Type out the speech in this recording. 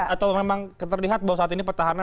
atau memang terlihat bahwa saat ini petahana